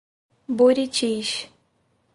Buritis